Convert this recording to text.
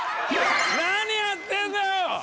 何やってんだよ！